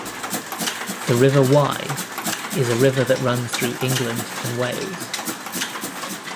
The River Wye is a river that runs through England and Wales.